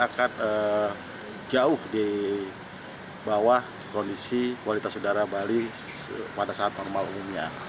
akan jauh di bawah kondisi kualitas udara bali pada saat normal umumnya